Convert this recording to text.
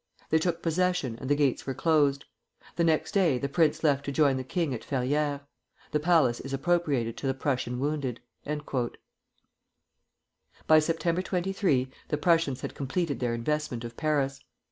They took possession, and the gates were closed. The next day the prince left to join the king at Ferrières. The palace is appropriated to the Prussian wounded." By September 23 the Prussians had completed their investment of Paris.